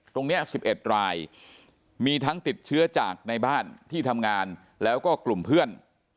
๑๑รายมีทั้งติดเชื้อจากในบ้านที่ทำงานแล้วก็กลุ่มเพื่อน